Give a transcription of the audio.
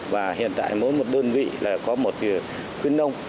và hiện tại mỗi một đơn vị có một người khuyến ông